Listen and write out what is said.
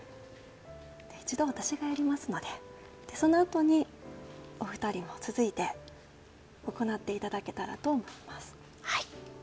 一度、私がやりますのでそのあとにお二人も続いて行っていただけたらと思います。